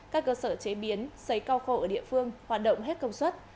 các cơ sở chế biến xây cao khổ ở địa phương hoạt động hết công suất